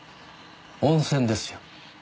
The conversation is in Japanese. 温泉ですよ。